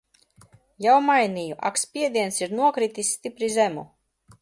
Jau mainīju, ak spiediens ir nokritis stipri zemu.